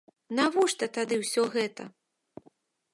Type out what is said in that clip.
Навошта тады ўсё гэта?